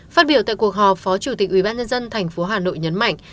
phát biểu tại cuộc họp phó chủ tịch ubnd tp hà nội nhấn mạnh